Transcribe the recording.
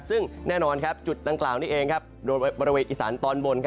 ซึ่งแน่นอนจุดดังกล่าวนี้เองโดยบริเวณอีสานตอนบน